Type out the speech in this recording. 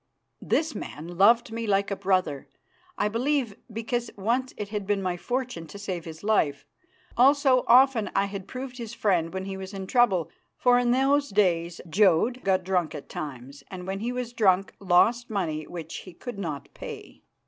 This man loved me like a brother, I believe because once it had been my fortune to save his life. Also often I had proved his friend when he was in trouble, for in those days Jodd got drunk at times, and when he was drunk lost money which he could not pay.